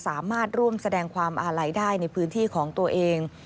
สามารถร่วมแสดงความอาลัยได้ในพื้นที่ของตัวเอง